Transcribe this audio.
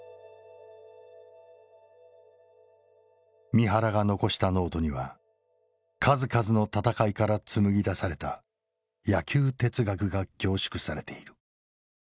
三原が残したノートには数々の戦いから紡ぎ出された野球哲学が凝縮されている。